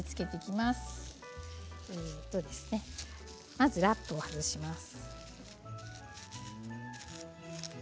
まずラップを外します。